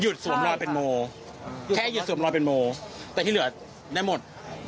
สวมรอยเป็นโมแค่หยุดสวมรอยเป็นโมแต่ที่เหลือได้หมด